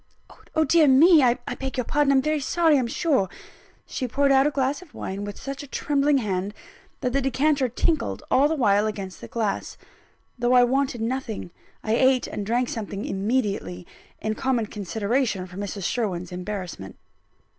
"Oh dear me! I beg your pardon! I'm very sorry, I'm sure" and she poured out a glass of wine, with such a trembling hand that the decanter tinkled all the while against the glass. Though I wanted nothing, I ate and drank something immediately, in common consideration for Mrs. Sherwin's embarrassment.